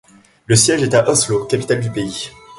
Le siège est à Oslo, capitale du pays.